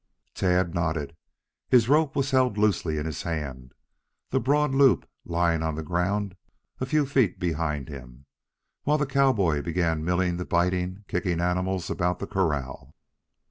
Tad nodded. His rope was held loosely in his hand, the broad loop lying on the ground a few feet behind him, while the cowboy began milling the biting, kicking animals about the corral.